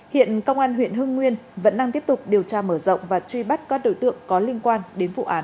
hiện công an huyện hưng nguyên vẫn đang tiếp tục điều tra mở rộng và truy bắt các đối tượng có liên quan đến vụ án